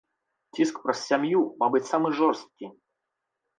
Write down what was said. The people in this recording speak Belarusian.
Ціск праз сям'ю, мабыць, самы жорсткі.